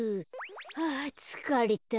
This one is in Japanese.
はあつかれた。